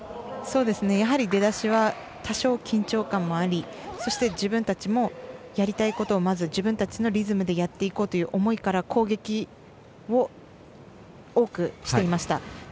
やはり出だしは多少、緊張感もありそして自分たちのやりたいこともまず自分たちのリズムでやっていこうという思いから攻撃を多くしていました。